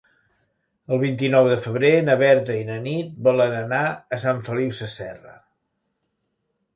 El vint-i-nou de febrer na Berta i na Nit volen anar a Sant Feliu Sasserra.